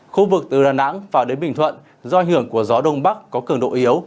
khu vực từ đà nẵng vào đến bình thuận do ảnh hưởng của gió đông bắc có cường độ yếu